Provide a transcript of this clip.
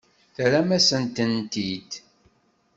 Terram-asen-tent-id.